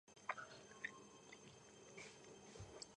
იალოვას, აგრეთვე, სამხრეთით ესაზღვრება ბურსის პროვინცია.